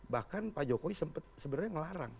bahkan pak jokowi sempat sebenarnya ngelarang